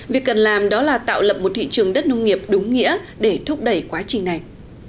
việc cần làm đó là tạo lập một thị trường đất nông nghiệp đúng nghĩa để thúc đẩy quá trình này